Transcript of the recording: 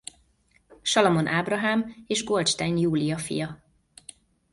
Salamon Ábrahám és Goldstein Júlia fia.